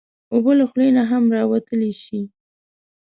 اوبه له خولې نه هم راوتلی شي.